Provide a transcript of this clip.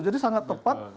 jadi sangat tepat